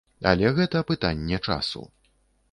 Але гэта пытанне часу.